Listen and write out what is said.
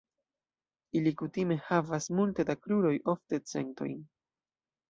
Ili kutime havas multe da kruroj, ofte centojn.